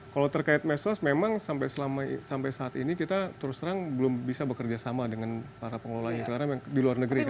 kalau terkait mesos memang sampai saat ini kita terus terang belum bisa bekerja sama dengan para pengelola di luar negeri